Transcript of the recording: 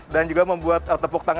dan juga membuat tepuk tangan